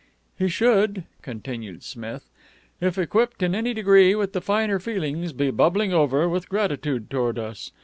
"He should," continued Smith, "if equipped in any degree with the finer feelings, be bubbling over with gratitude toward us.